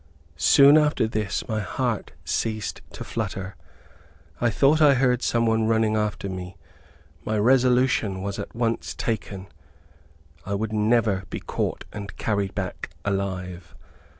Soon after this, before my heart ceased to flutter, I thought I heard some one running after me. My resolution was at once taken. I would never be caught and carried back alive.